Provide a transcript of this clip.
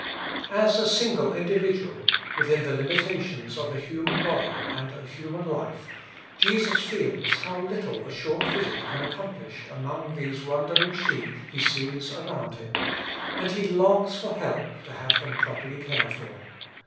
As a single individual, within the limitations of a human body and a human life, Jesus feels how little a short visit can accomplish among these wandering sheep He sees around Him, and He longs for help to have them properly cared for.